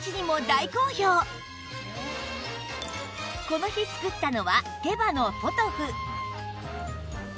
この日作ったのは手羽のポトフ